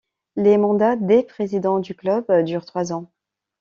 Les mandats des présidents du club durent trois ans.